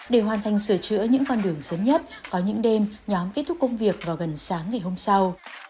để hoàn thành sửa chữa những con đường sớm nhất có những đêm nhóm kết thúc công việc vào gần sáng ngày hôm sau